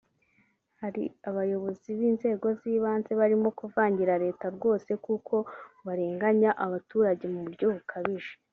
Hari abayobozi b’inzego z’ibanze barimo kuvangira Leta rwose kuko barenganya abaturage mu buryo bukabije